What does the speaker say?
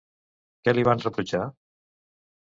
Què li van reprotxar?